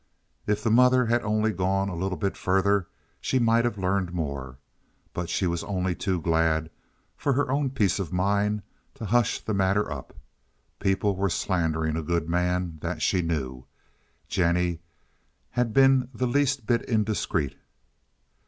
If the mother had only gone a little bit further she might have learned more, but she was only too glad, for her own peace of mind, to hush the matter up. People were slandering a good man, that she knew. Jennie had been the least bit indiscreet.